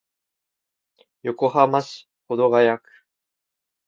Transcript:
横浜市保土ケ谷区